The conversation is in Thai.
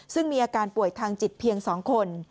ซึ่งมีอาการป่วยทางจิตเพียง๒คน